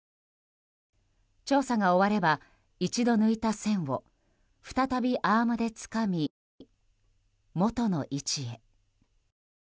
調査が終われば、一度抜いた栓を再びアームでつかみ元の位置へ。